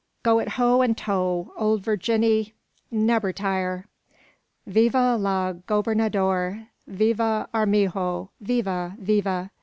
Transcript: '" "Go it hoe and toe! `Old Virginny nebir tire!'" "Viva el Gobernador! Viva Armijo! Viva! viva!"